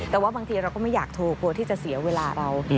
แต่ว่าบางทีเราก็ไม่อยากโทรกลัวที่จะเสียเวลาเรา